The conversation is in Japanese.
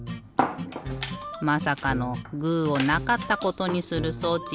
まさかのグーをなかったことにする装置ね。